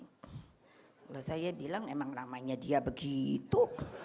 kalau saya bilang emang namanya dia begitu